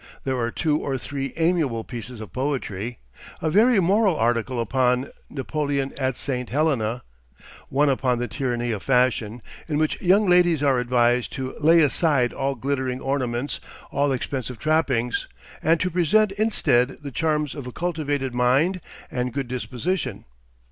There are two or three amiable pieces of poetry, a very moral article upon "Napoleon at St. Helena," one upon the tyranny of fashion, in which young ladies are advised to "lay aside all glittering ornaments, all expensive trappings," and to present instead the charms of a cultivated mind and good disposition.